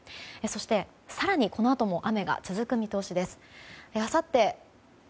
そして、更にこのあとも雨が続く見通しです。